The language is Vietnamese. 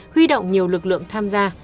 huy động nhiều lực lượng tham gia